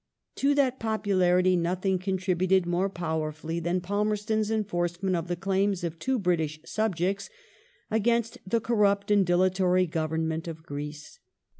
" Civis To that popularity nothing contributed more powerfully than Sum*"^^ Palmerston's enforcement of the claims of two British subjects against the corrupt and dilatory Government of Greece.